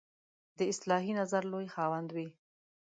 د اصلاحي نظر لوی خاوند وي.